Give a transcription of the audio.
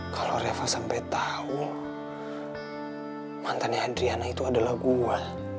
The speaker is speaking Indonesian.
kalau reva sampai tahu mantannya adriana itu adalah gua